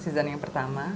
season yang pertama